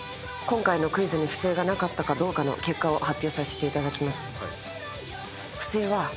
今回のクイズに不正がなかったかどうかの結果を発表させていただきます。